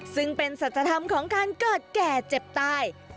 ซึ่งเป็นสัจธรรมของการเกิดแก่เจ็บตาย